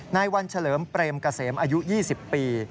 นายวันเฉลิมเปรมเกษมอายุ๒๐ปี